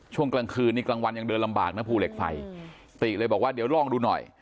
ช่วงกลางคืนนี่กลางวันยังเดินลำบากนะภูเหล็กไฟติเลยบอกว่าเดี๋ยวลองดูหน่อย